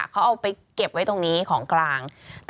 เขาเอาไปเก็บไว้ตรงนี้ของกลาง